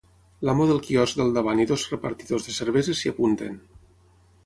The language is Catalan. L'amo del quiosc del davant i dos repartidors de cerveses s'hi apunten.